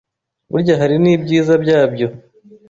burya hari n’ibyiza byabyo.